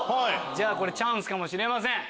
じゃあチャンスかもしれません。